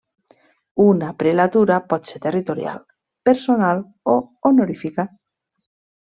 Una prelatura pot ser territorial, personal o honorífica.